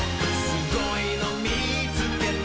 「すごいのみつけた」